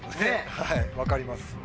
はい分かります。